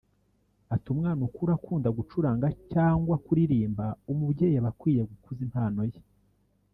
Ati “Umwana ukura akunda gucuranga cyangwa kuririmba umubyeyi aba akwiye gukuza impano ye